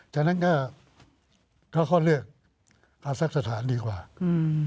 ฉะนั้นก็ถ้าเขาเลือกอาซักสถานดีกว่าอืม